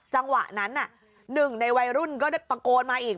จังหวะนั้นหนึ่งในวัยรุ่นก็ตะโกนมาอีก